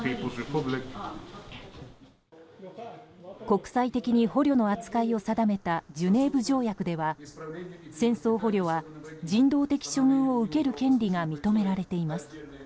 国際的に捕虜の扱いを定めたジュネーブ条約では戦争捕虜は人道的処遇を受ける権利が認められています。